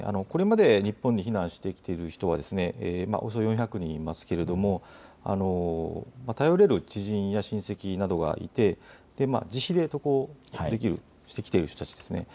これまで日本に避難してきている人はおよそ４００人いますが頼れる知人や親戚などがいて自費で渡航できる、してきている人たちです。